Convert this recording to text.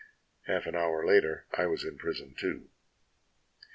"Half an hour later I was in prison, too.